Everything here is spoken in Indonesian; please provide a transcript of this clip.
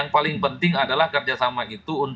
yang paling penting adalah kerjasama itu untuk menurut saya